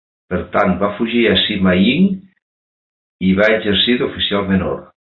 Per tant, va fugir a Sima Ying i va exercir d'oficial menor.